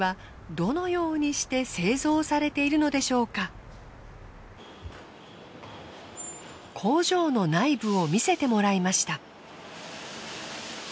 レオン自動機の工場の内部を見せてもらいました。